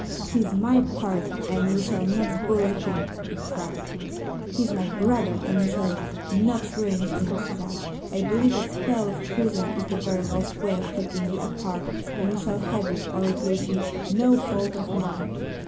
"'He's my pard, and you shall not bully him,' he cried. "'He's my brother, and you shall not ruin him,' said I. 'I believe a spell of prison is the very best way of keeping you apart, and you shall have it, or it will be no fault of mine.'